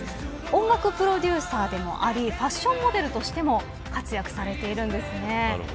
音楽プロデューサーでもありファッションモデルとしても活躍されているんですね。